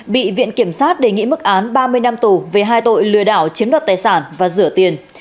bị viện kiểm sát đề nghị mức án ba mươi năm tù về hai tội lừa đảo chiếm đoạt tài sản và rửa tiền